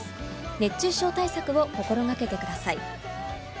熱中症対策を心掛けてください。